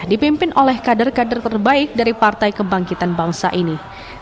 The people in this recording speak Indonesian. dipimpin oleh kader kader terbaik dari partai kebangkitan bangsa ini